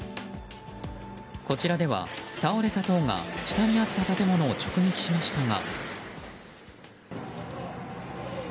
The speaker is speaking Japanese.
こちらでは、倒れた塔が下にあった建物を直撃しましたが。